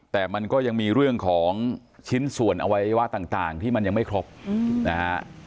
แต่มันก็ยังมีเรื่องของชิ้นส่วนอวัยวะต่างที่มันยังไม่ครบนะฮะ